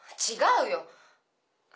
違うよ！